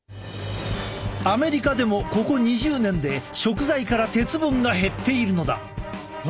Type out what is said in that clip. アメリカでもここ２０年で食材から鉄分が減っているのだ。